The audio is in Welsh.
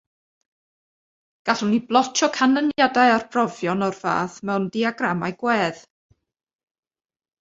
Gallwn ni blotio canlyniadau arbrofion o'r fath mewn diagramau gwedd.